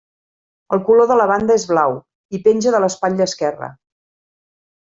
El color de la banda és blau, i penja de l'espatlla esquerra.